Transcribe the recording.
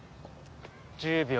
１０秒。